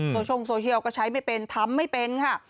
โซเชียลโซเชียลก็ใช้ไม่เป็นทำไม่เป็นค่ะ